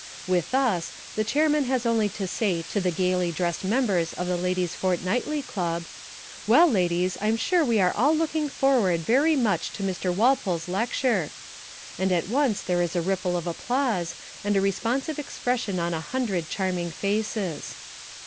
With us the chairman has only to say to the gaily dressed members of the Ladies' Fortnightly Club, "Well, ladies, I'm sure we are all looking forward very much to Mr. Walpole's lecture," and at once there is a ripple of applause, and a responsive expression on a hundred charming faces.